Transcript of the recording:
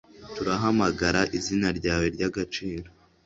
turahamagara izina ryawe ryagaciro